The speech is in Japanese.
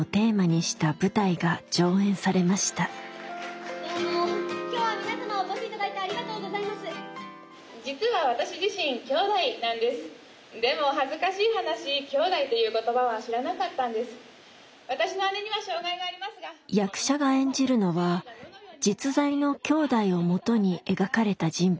役者が演じるのは実在のきょうだいをもとに描かれた人物です。